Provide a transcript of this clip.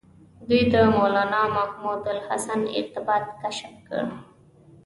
دوی د مولنا محمود الحسن ارتباط کشف کړ.